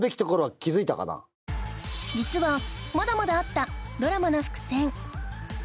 実はまだまだあったドラマの伏線